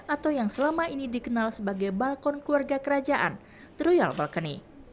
atau yang selama ini dikenal sebagai balkon keluarga kerajaan the royal balcony